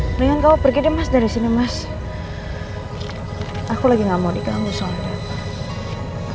hai dengan kau pergi mas dari sini mas aku lagi nggak mau dikambil soalnya